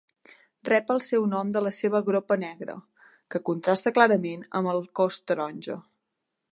Rep el seu nom de la seva gropa negra, que contrasta clarament amb el cos taronja.